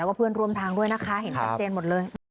แล้วก็เพื่อนร่วมทางด้วยนะคะเห็นชัดเจนหมดเลย